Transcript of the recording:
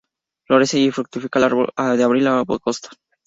Florece y fructifica de abril a agosto.